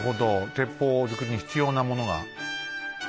鉄砲づくりに必要なものが。